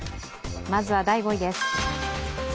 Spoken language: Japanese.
まずは第５位です。